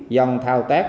dân thao tét